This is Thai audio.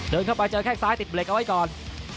เดินเข้าไปเจอแค่งซ้ายติดเบรกเอาไว้ก่อน